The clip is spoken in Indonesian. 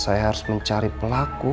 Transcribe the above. korban dari kebakaran villa laros